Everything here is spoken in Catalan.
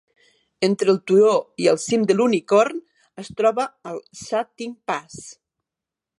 Entre el turó i el cim de l'Unicorn es troba el Sha Tin Pass.